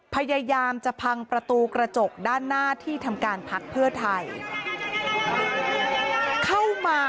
พยายามจะพังประตูกระจกด้านหน้าที่ทำการพักเพื่อไทยเข้ามา